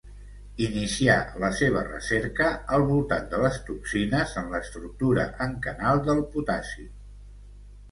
Inicià la seva recerca al voltant de les toxines en l'estructura en canal del potassi.